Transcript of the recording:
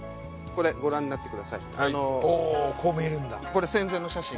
これ戦前の写真。